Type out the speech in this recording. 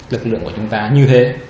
lực lượng của chúng ta như thế